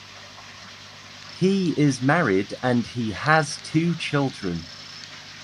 He is married and he has two children.